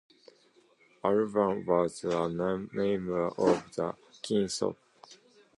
"Avalon" was a member of Keenspot.